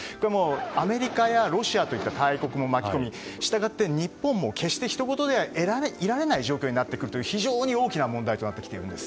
アメリカやロシアといった大国も巻き込み、したがって日本も決してひとごとではいられない状況になってくるという非常に大きな問題となってきています。